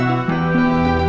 ini siapa itu